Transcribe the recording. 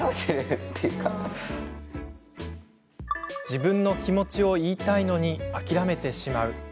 自分の気持ちを言いたいのに諦めてしまう。